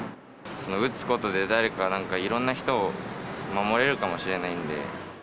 打つことで誰か、いろんな人を守れるかもしれないんで。